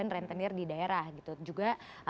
rentenir di daerah juga